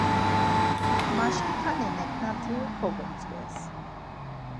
Maşkitani neknati kogontzǩes.